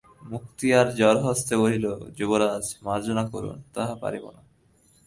মুক্তিয়ার জোড়হস্তে কহিল, যুবরাজ, মার্জনা করুন তাহা পারিব না।